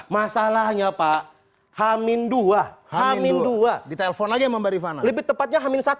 masalahnya pak hamin dua hamin dua di telepon lagi sama mbak rifana lebih tepatnya hamin satu